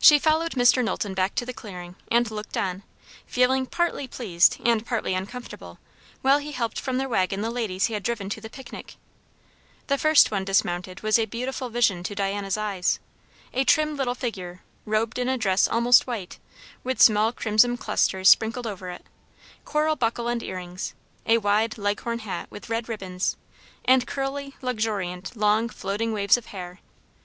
She followed Mr. Knowlton back to the clearing, and looked on, feeling partly pleased and partly uncomfortable, while he helped from their waggon the ladies he had driven to the picnic. The first one dismounted was a beautiful vision to Diana's eyes. A trim little figure, robed in a dress almost white, with small crimson clusters sprinkled over it, coral buckle and earrings, a wide Leghorn hat with red ribbons, and curly, luxuriant, long, floating waves of hair.